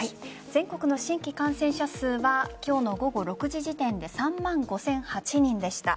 全国の新規感染者数は今日の午後６時時点で３万５００８人でした。